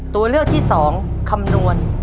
ตัวเลือกที่๒คำนวณ